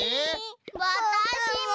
わたしも！